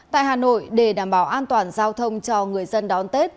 tại hà nội để đảm bảo an toàn giao thông cho người dân đón tết